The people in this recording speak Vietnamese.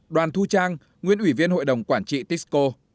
năm đoàn thu trang nguyễn ủy viên hội đồng quản trị tisco